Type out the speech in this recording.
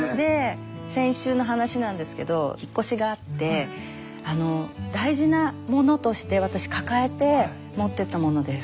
先週の話なんですけど引っ越しがあって大事なものとして私抱えて持ってったものです。